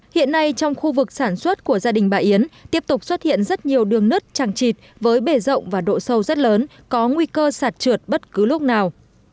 hiện nay trong khu vực sản xuất của gia đình bà yến tiếp tục xuất hiện rất nhiều đường nứt chẳng chịt với bể rộng và độ sâu rất lớn có nguy cơ sạt trượt bất cứ lúc nào